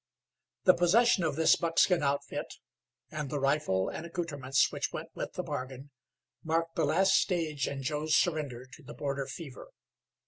The possession of this buckskin outfit, and the rifle and accouterments which went with the bargain, marked the last stage in Joe's surrender to the border fever.